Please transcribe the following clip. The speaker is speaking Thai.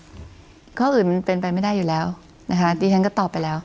ข้ออื่นมันเป็นไปไม่ได้อยู่แล้วนะคะดิฉันก็ตอบไปแล้ว